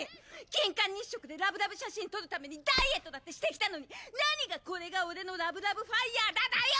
金環日食でラブラブ写真を撮るためにダイエットだってしてきたのに何がこれが俺のラブラブファイヤーだだよ！